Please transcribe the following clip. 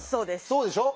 そうでしょ？